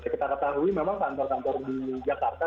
kita ketahui memang kantor kantor di jakarta